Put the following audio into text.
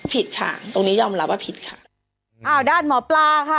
ผิดค่ะตรงนี้ยอมรับว่าผิดค่ะอ้าวด้านหมอปลาค่ะ